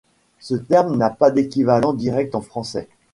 Ce terme n'a pas d'équivalent direct en français.